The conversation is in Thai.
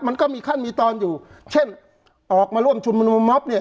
มันก็มีขั้นมีตอนอยู่เช่นออกมาร่วมชุมนุมมอบเนี่ย